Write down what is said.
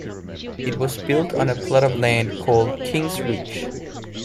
It was built on a plot of land called King's Reach.